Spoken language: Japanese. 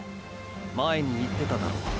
前に言ってただろう。